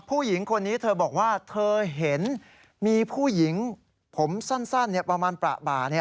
ผู้หญิงคนนี้เธอบอกว่าเธอเห็นมีผู้หญิงผมสั้นประมาณประบ่า